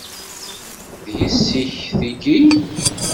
D yessi-k tigi?